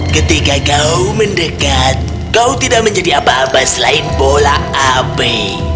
ketika kau mendekat kau tidak menjadi apa apa selain bola api